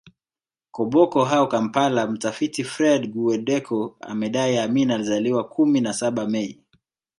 Koboko au Kampala Mtafiti Fred Guweddeko amedai Amin alizaliwa kumi na saba Mei